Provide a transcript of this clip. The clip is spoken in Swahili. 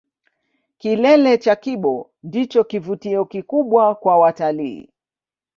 Kilele cha kibo ndicho kivutio kikubwa kwa watalii